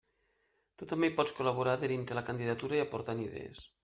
Tu també hi pots col·laborar adherint-te a la candidatura i aportant idees.